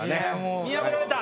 見破られた。